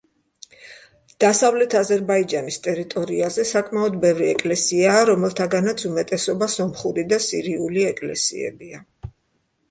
დასავლეთ აზერბაიჯანის ტერიტორიაზე საკმაოდ ბევრი ეკლესიაა, რომელთაგანაც უმეტესობა სომხური და სირიული ეკლესიებია.